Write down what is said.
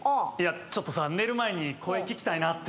ちょっとさ寝る前に声聞きたいなって。